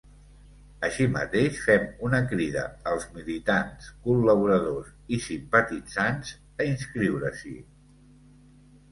Així mateix, fem una crida als militants, col•laboradors i simpatitzants a inscriure-s'hi.